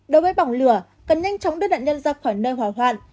đối với bỏng lửa cần nhanh chóng đưa nạn nhân ra khỏi nơi hỏa hoạn